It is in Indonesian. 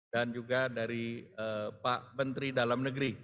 dan juga dari pak menteri dalam negeri